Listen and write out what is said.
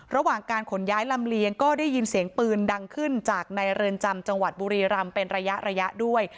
ระหว่างการขนย้ายลำเลียงก็ได้ยินเสียงปืนดังขึ้นจากในเรือนจำจังหวัดบุรีรำเป็นระยะระยะด้วย